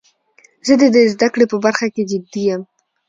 زه د زده کړي په برخه کښي جدي یم.